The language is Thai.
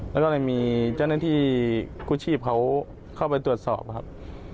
แล้วก็เลยมีเจ้าหน้าที่กู้ชีพเขาเข้าไปตรวจสอบครับ